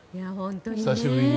久しぶりに。